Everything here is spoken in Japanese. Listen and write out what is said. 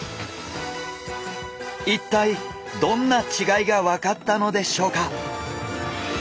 一体どんな違いが分かったのでしょうか？